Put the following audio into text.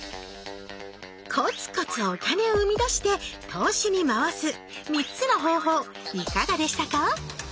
コツコツお金をうみだして投資に回す３つの方法いかがでしたか？